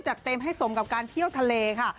เต็มให้สมกับการเที่ยวทะเลค่ะ